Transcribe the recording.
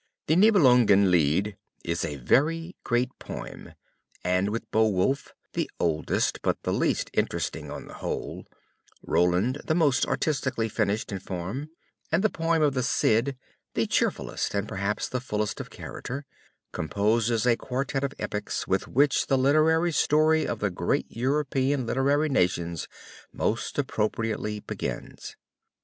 The Nibelungen Lied is a very great poem; and with Beowulf (the oldest but the least interesting on the whole), Roland (the most artistically finished in form), and the poem of the Cid (the cheerfullest and perhaps the fullest of character), composes a quartette of epics with which the literary story of the great European literary nations most appropriately begins.